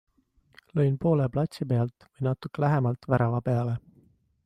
Lõin poole platsi pealt või natuke lähemalt värava peale.